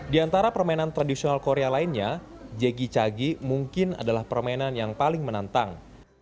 di antara permainan tradisional korea lainnya jegi cagi mungkin adalah permainan yang paling menantang